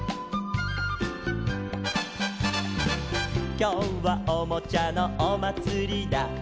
「きょうはおもちゃのおまつりだ」